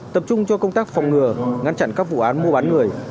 tập trung cho công tác phòng ngừa ngăn chặn các vụ án mua bán người